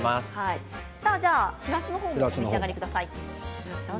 しらすの方もお召し上がりください。